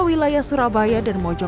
wilayah surabaya dan mojok